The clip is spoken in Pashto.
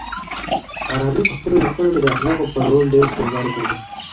فارابي په خپلو ليکنو کي د اخلاقو پر رول ډېر ټينګار کړی.